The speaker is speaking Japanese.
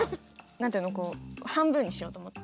何て言うの半分にしようと思って。